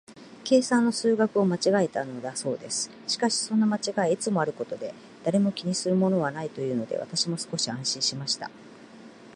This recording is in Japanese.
計算の数字を間違えたのだそうです。しかし、そんな間違いはいつもあることで、誰も気にするものはないというので、私も少し安心しました。